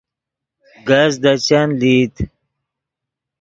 کز دے چند لئیت